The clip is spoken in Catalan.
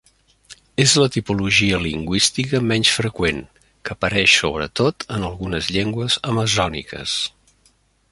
És la tipologia lingüística menys freqüent, que apareix sobretot en algunes llengües amazòniques.